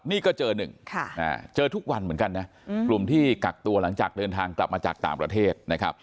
นี่ก็เจอหนึ่งเจอทุกวันเหมือนกันนะกลุ่มที่กักตัวหลังจากเดินทางกลับมาจากต่างประเทศนะครับ